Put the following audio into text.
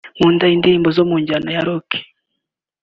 Nkunda indirimbo zo mu njyana ya Rock